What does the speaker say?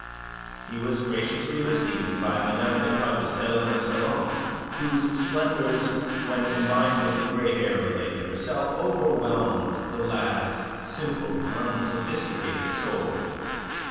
He was graciously received by Mme. de Plougastel in the salon, whose splendours, when combined with the great air of the lady herself, overwhelmed the lad's simple, unsophisticated soul.